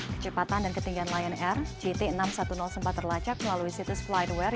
kecepatan dan ketinggian lion air jt enam ratus sepuluh sempat terlacak melalui situs flightware